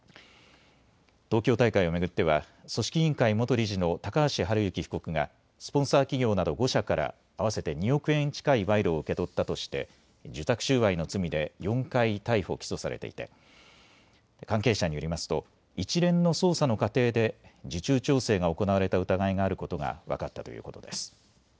東京大会を巡っては組織委員会元理事の高橋治之被告がスポンサー企業など５社から合わせて２億円近い賄賂を受け取ったとして受託収賄の罪で４回逮捕・起訴されていて関係者によりますと一連の捜査の過程で受注調整が行われた疑いがあることが分かったということです。